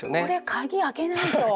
鍵開けないと。